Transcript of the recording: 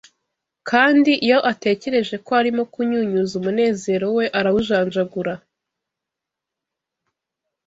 Kandi iyo atekereje ko arimo kunyunyuza umunezero we arawujanjagura